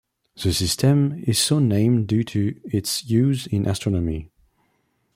The system is so named due to its use in astronomy.